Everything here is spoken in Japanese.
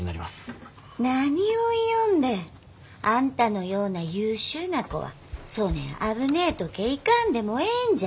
あんたのような優秀な子はそねん危ねえとけえ行かんでもええんじゃ。